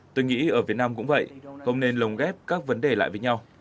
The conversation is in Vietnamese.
tôi nghĩ ở việt nam cũng vậy không nên lồng ghép các vấn đề lại với nhau